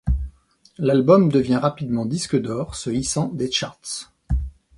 L'album devient rapidement disque d'or se hissant des charts.